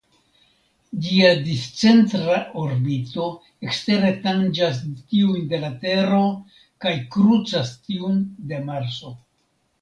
Ĝia discentra orbito ekstere tanĝas tiujn de la Tero kaj krucas tiun de Marso.